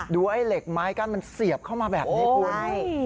ไอ้เหล็กไม้กั้นมันเสียบเข้ามาแบบนี้คุณ